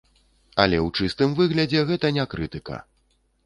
Але ў чыстым выглядзе гэта не крытыка.